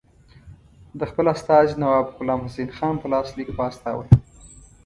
د خپل استازي نواب غلام حسین خان په لاس لیک واستاوه.